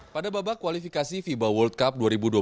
pada babak kualifikasi fiba world cup dua ribu dua puluh tiga